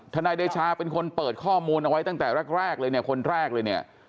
นายเดชาเป็นคนเปิดข้อมูลเอาไว้ตั้งแต่แรกเลยเนี่ยคนแรกเลยเนี่ย